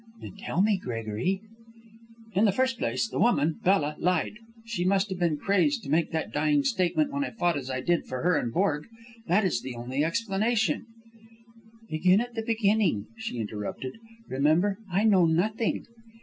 "Then tell me, Gregory." "In the first place, the woman, Bella, lied. She must have been crazed to make that dying statement when I fought as I did for her and Borg. That is the only explanation " "Begin at the beginning," she interrupted. "Remember, I know nothing."